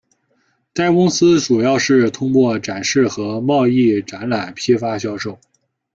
该公司主要是通过展示和贸易展览批发销售。